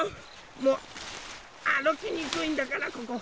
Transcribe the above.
もうあるきにくいんだからここ。